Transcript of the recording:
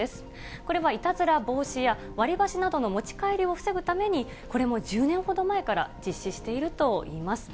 これは、いたずら防止や、割り箸などの持ち帰りを防ぐために、これも１０年ほど前から実施しているといいます。